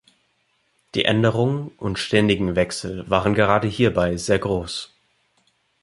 Die Änderungen und ständigen Wechsel waren gerade hierbei sehr groß.